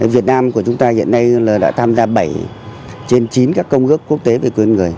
việt nam của chúng ta hiện nay đã tham gia bảy trên chín các công ước quốc tế về quyền người